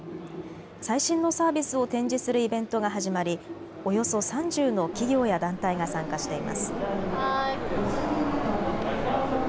最新のサービスを展示するイベントが始まり、およそ３０の企業や団体が参加しています。